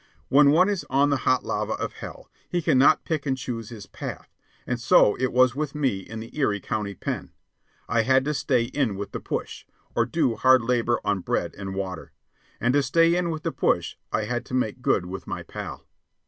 When one is on the hot lava of hell, he cannot pick and choose his path, and so it was with me in the Erie County Pen. I had to stay in with the "push," or do hard labor on bread and water; and to stay in with the push I had to make good with my pal.